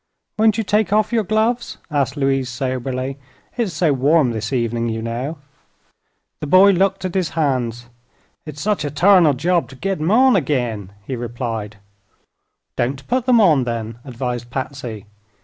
"Won't you take off your gloves?" asked Louise, soberly. "It's so warm this evening, you know." The boy looked at his hands. "It's sech a tarnal job to git 'em on agin," he replied. "Don't put them on, then," advised Patsy.